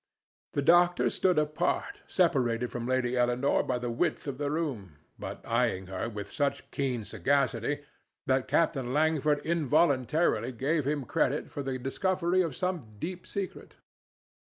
The doctor stood apart, separated from Lady Eleanore by the width of the room, but eying her with such keen sagacity that Captain Langford involuntarily gave him credit for the discovery of some deep secret.